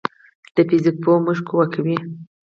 د فزیک پوهه موږ قوي کوي.